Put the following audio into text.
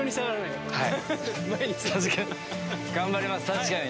確かに。